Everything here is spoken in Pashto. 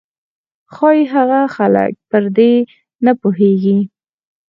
ښايي هغه خلک به پر دې نه پوهېږي.